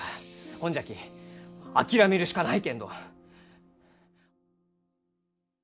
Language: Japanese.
ほんじゃき諦めるしかないけんど。